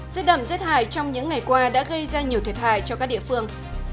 giết đẩm giết hại trong những ngày qua đã gây ra nhiều thiệt hại cho các địa phương